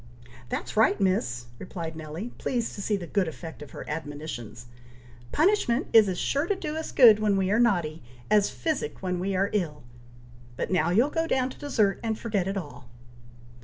"That's right, Miss!" replied Nelly, pleased to see the good effect of her admonitions. "Punishment is as sure to do us good when we are naughty, as physic when we are ill. But now you'll go down to dessert, and forget it all."